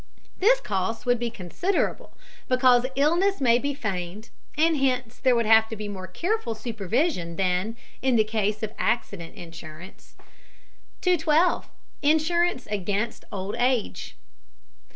This cost would be considerable, because illness may be feigned, and hence there would have to be more careful supervision than in the case of accident insurance. 212. INSURANCE AGAINST OLD AGE.